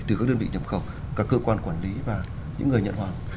từ các đơn vị nhập khẩu các cơ quan quản lý và những người nhận hoàng